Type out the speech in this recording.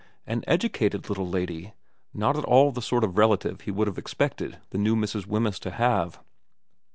An edu cated little lady ; not at all the sort of relative he would have expected the new Mrs. Wemyss to have.